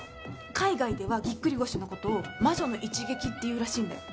海外ではぎっくり腰のことを「魔女の一撃」っていうらしいんだよ。